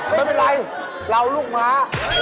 ไม่เป็นไรเราลูกม้า